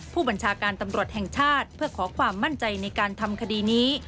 ผู้บัญชาการตำรวจแห่งชาติเพื่อขอความมั่นใจในการทำคดีนี้